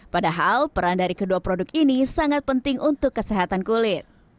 padahal peran dari kedua produk ini sangat penting untuk kesehatan kulit